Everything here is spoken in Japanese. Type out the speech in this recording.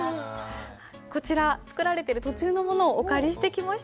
こちら作られてる途中のものをお借りしてきました。